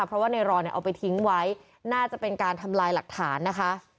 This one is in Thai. เพราะว่าในรอเนี่ยเอาไปทิ้งไว้น่าจะเป็นการทำลายหลักฐานนะคะ